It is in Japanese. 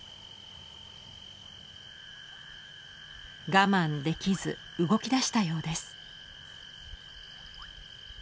我慢できず動き出したようです。